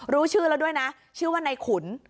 รู้ชื่อแล้วด้วยนะชื่อว่าในขุน